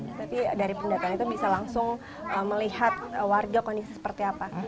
tapi dari pendataan itu bisa langsung melihat warga kondisi seperti apa